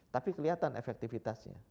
tapi kelihatan efektifitasnya